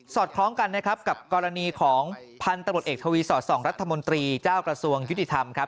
คล้องกันนะครับกับกรณีของพันธุ์ตำรวจเอกทวีสอดส่องรัฐมนตรีเจ้ากระทรวงยุติธรรมครับ